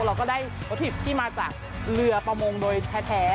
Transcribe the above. เราก็ได้วัตถุดิบที่มาจากเรือประมงโดยแท้